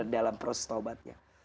dalam proses taubatnya